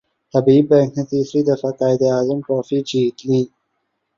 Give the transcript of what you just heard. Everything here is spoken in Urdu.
حبیب بینک نے تیسری مرتبہ قائد اعظم ٹرافی جیت لی